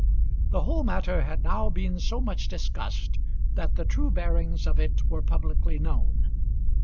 The whole matter had now been so much discussed, that the true bearings of it were publicly known.